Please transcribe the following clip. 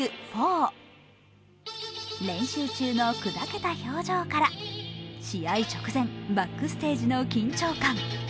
練習中のくだけた表情から、試合直前、バックステージの緊張感。